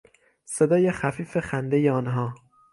صدای خفیف خندهی آنها